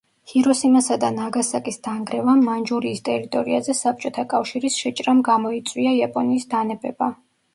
ჰიროსიმასა და ნაგასაკის დანგრევამ, მანჯურიის ტერიტორიაზე საბჭოთა კავშირის შეჭრამ გამოიწვია იაპონიის დანებება.